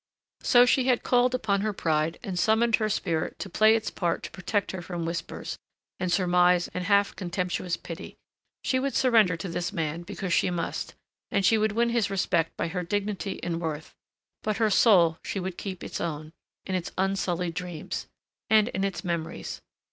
So she had called upon her pride and summoned her spirit to play its part to protect her from whispers, and surmise and half contemptuous pity. She would surrender to this man because she must, and she would win his respect by her dignity and worth, but her soul she would keep its own, in its unsullied dreams ... and in its memories....